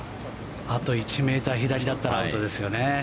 あと１ｍ左だったらアウトですよね。